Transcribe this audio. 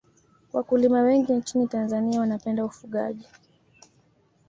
Wakulima wengi nchini tanzania wanapenda ufugaji